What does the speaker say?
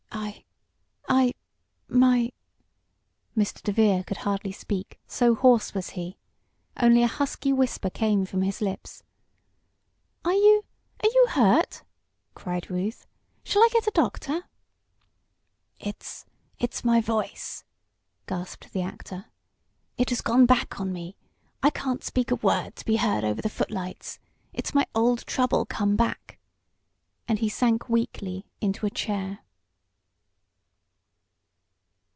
"I I my " Mr. DeVere could hardly speak, so hoarse was he. Only a husky whisper came from his lips. "Are you are you hurt?" cried Ruth. "Shall I get a doctor?" "It it's my voice!" gasped the actor. "It has gone back on me I can't speak a word to be heard over the footlights! It's my old trouble come back!" and he sank weakly into a chair.